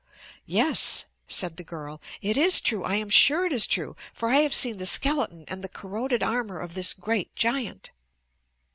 "Yes," said the girl, "it is true. I am sure it is true, for I have seen the skeleton and the corroded armor of this great giant."